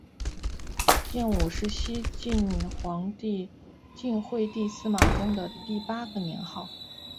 建武是西晋皇帝晋惠帝司马衷的第八个年号。